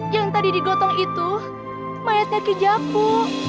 yang tadi digotong itu mayatnya kejapu